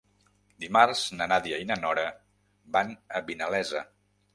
Dimarts na Nàdia i na Nora van a Vinalesa.